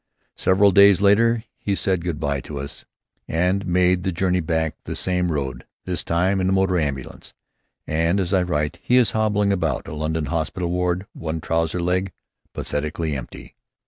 Several days later he said good bye to us, and made the journey back the same road, this time in a motor ambulance; and as I write, he is hobbling about a London hospital ward, one trouser leg pathetically empty.